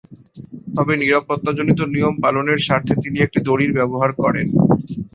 তবে নিরাপত্তাজনিত নিয়ম পালনের স্বার্থে তিনি একটি দড়ির ব্যবহার করেন।